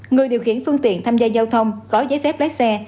người điều khiển phương tiện tham gia giao thông có giấy phép lái xe